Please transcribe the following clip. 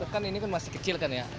kan ini kan masih kecil kan ya